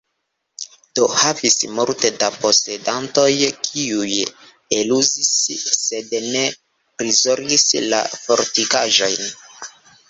Do, havis multe da posedantoj, kiuj eluzis sed ne prizorgis la fortikaĵon.